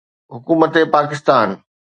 حڪومت پاڪستان